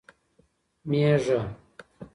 مېږه